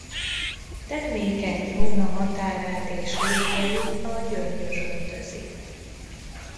Termékeny róna határát és rétjeit a Gyöngyös öntözi.